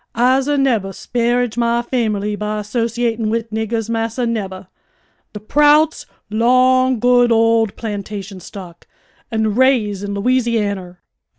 I'se nebbah 'sparrage my famerly by 'sociatin' wid niggahs, massa, nebbah. De Prouts 'long good old plantation stock, an' raise in Lousianner!"